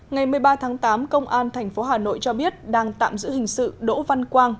ngày một mươi ba tháng tám công an tp hà nội cho biết đang tạm giữ hình sự đỗ văn quang